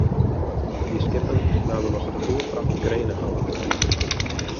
Dy skippen namen as retoerfracht grenenhout mei.